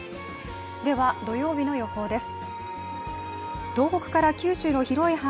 では、土曜日の予報です。